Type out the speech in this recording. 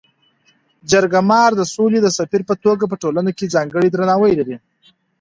جرګه مار د سولي د سفیر په توګه په ټولنه کي ځانګړی درناوی لري.